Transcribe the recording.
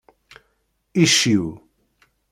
Icciw.